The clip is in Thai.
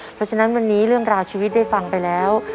เพราะฉะนั้นวันนี้เรื่องราวชีวิตได้ฟังไปแล้ว